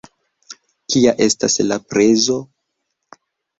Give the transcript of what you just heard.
Kia estas la prezo?